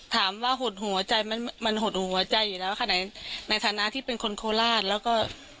หดหัวใจไหมมันหดหูหัวใจอยู่แล้วค่ะไหนในฐานะที่เป็นคนโคราชแล้วก็